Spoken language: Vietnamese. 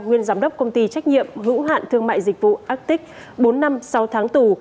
nguyên giám đốc công ty trách nhiệm hữu hạn thương mại dịch vụ arctic bốn năm sáu tháng tù